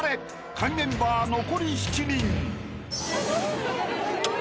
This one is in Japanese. ［カギメンバー残り７人］